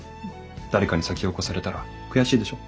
誰かに先を越されたら悔しいでしょ？